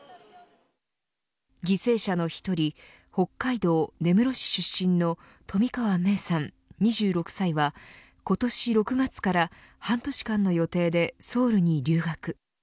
犠牲者の１人北海道根室市出身の冨川芽生さん、２６歳は今年６月から半年間の予定でソウルに留学。